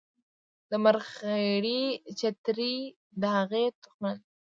د مرخیړي چترۍ د هغې تخمونه لري